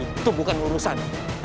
itu bukan urusan